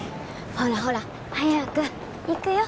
ほらほら早く行くよ！